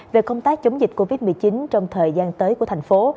về công tác chống dịch covid một mươi chín trong thời gian tới của thành phố